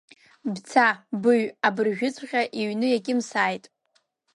Бца, быҩ абыржәыҵәҟьа, иҩны иакьымсааит!